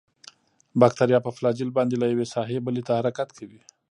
باکتریا په فلاجیل باندې له یوې ساحې بلې ته حرکت کوي.